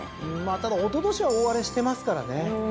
ただおととしは大荒れしてますからね。